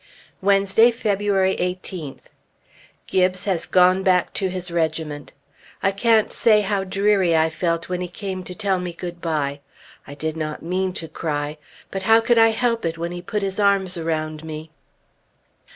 Wednesday, February 18th. Gibbes has gone back to his regiment. I can't say how dreary I felt when he came to tell me good bye. I did not mean to cry; but how could I help it when he put his arms around me?...